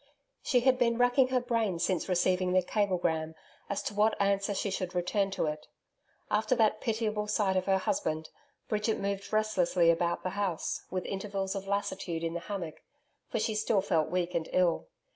She had been racking her brain since receiving the cablegram as to what answer she should return to it. After that pitiable sight of her husband, Bridget moved restlessly about the house, with intervals of lassitude in the hammock, for she still felt weak and ill.